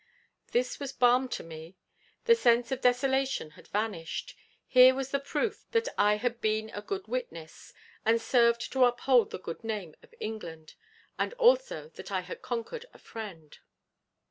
This was balm to me. The sense of desolation had vanished. Here was the proof that I had been a good witness, and served to uphold the good name of England, and also that I had conquered a friend.